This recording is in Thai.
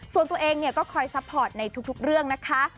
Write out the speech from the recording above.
ส่วนตัวเองก็คอยซัพพอร์ตในทุกเรื่องนะคะ